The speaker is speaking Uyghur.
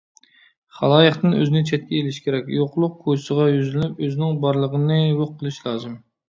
خالايىقتىن ئۆزىنى چەتكە ئېلىش كېرەك، يوقلۇق كوچىسىغا يۈزلىنىپ، ئۆزىنىڭ بارلىقىنى يوق قىلىش لازىم.